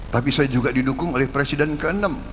tapi saya juga didukung oleh presiden ke enam